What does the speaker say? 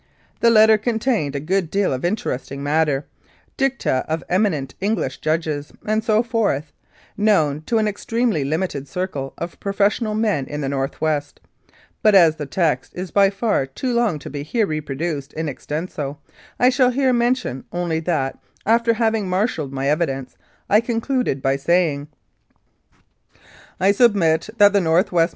The letter contained a good deal of interesting matter, dicta of eminent English judges, and so forth, known to an extremely limited circle of professional men in the North West; but as the text is by far too long to be here reproduced in extenso, I shall here mention only that, after having marshalled my evidence, I concluded by saying : "I submit that the N.W.M.